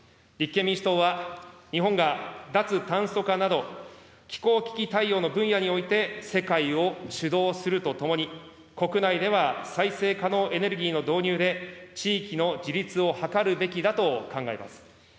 立憲民主党は日本が脱炭素化など、気候危機対応の分野において世界を主導するとともに、国内では再生可能エネルギーの導入で地域の自立を図るべきだと考えます。